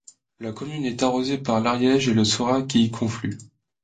La commune est arrosée par l'Ariège et le Saurat qui y confluent.